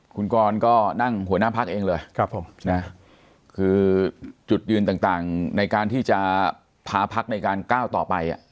คุณกรก็นั่งหัวหน้าพักเองเลยคือจุดยืนต่างในการที่จะพาพักในการก้าวต่อไป